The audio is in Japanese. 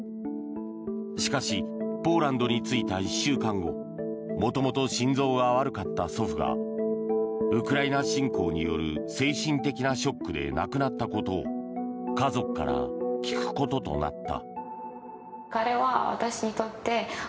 しかしポーランドに着いた１週間後もともと、心臓が悪かった祖父がウクライナ侵攻による精神的なショックで亡くなったことを家族から聞くこととなった。